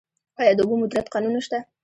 آیا د اوبو مدیریت قانون شته؟